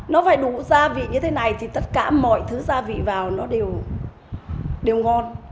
nó phải đủ gia vị như thế này thì tất cả mọi thứ gia vị vào nó đều ngon